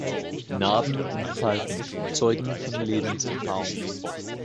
Narben und Falten zeugen von Lebenserfahrung.